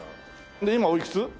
で今おいくつ？